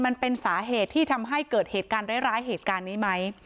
มันเป็นสาเหตุที่ทำให้เกิดเหตุการณ์ร้ายเหตุการณ์นี้ไหม